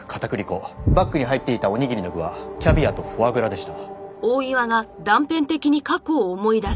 バッグに入っていたおにぎりの具はキャビアとフォアグラでした。